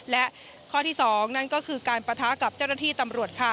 และข้อที่๒นั่นก็คือการปะทะกับเจ้าหน้าที่ตำรวจค่ะ